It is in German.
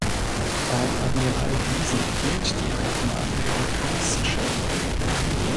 Auch Admiral Diesen hielt die "Altmark" für ein Kriegsschiff.